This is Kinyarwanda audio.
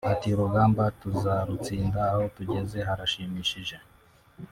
Ati “Urugamba tuzarutsinda aho tugeze harashimishije